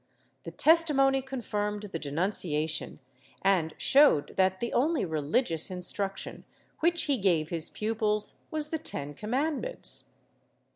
The testimony confirmed the denunciation and showed that the only religious instruction which he gave his pupils was the Ten Commandments.